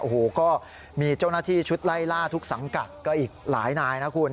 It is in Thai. โอ้โหก็มีเจ้าหน้าที่ชุดไล่ล่าทุกสังกัดก็อีกหลายนายนะคุณ